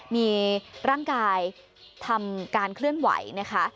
มีร่างกายทำการเคลื่อนไหวนะคะ